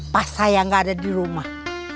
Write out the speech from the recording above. pas saya gak ada di rumah